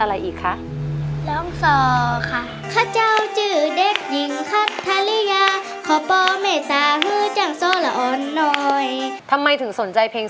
ทำไมถึงสนใจเพลง